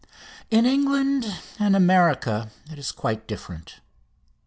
In England and America it is quite different.